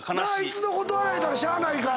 一度断られたらしゃあないから。